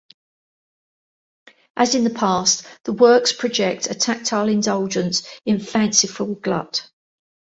As in the past, the works project a tactile indulgence in fanciful glut.